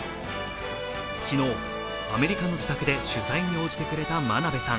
昨日、アメリカの自宅で取材に応じてくれた真鍋さん。